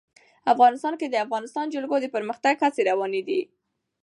افغانستان کې د د افغانستان جلکو د پرمختګ هڅې روانې دي.